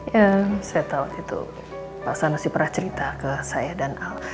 ya saya tahu itu pak sanusi pernah cerita ke saya dan al